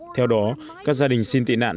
theo đó các gia đình xin tị nạn